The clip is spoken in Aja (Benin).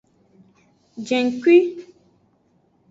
Jengkui.